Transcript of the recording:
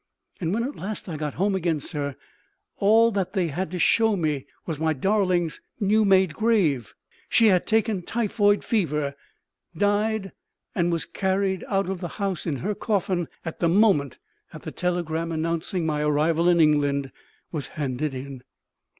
"And when at last I got home again, sir, all that they had to show me was my darling's new made grave. She had taken typhoid fever, died, and was carried out of the house in her coffin at the moment that the telegram announcing my arrival in England was handed in."